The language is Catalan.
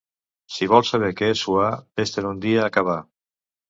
Si vols saber què és suar, ves-te'n un dia a cavar.